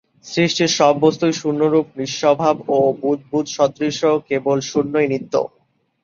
সৃষ্টির সব বস্ত্তই শূন্যরূপ, নিঃস্বভাব ও বুদবুদসদৃশ; কেবল শূন্যই নিত্য।